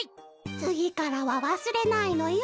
つぎからはわすれないのよ。